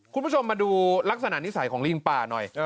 คุณผู้ชมมาดูลักษณะนิสัยของลิงป่าหน่อย